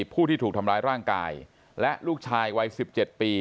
ผู้ที่ถูกทำร้ายร่างกายและลูกชายวัย๑๗ปี